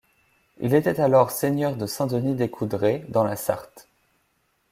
Il était alors seigneur de Saint-Denis-des-Coudrais, dans la Sarthe.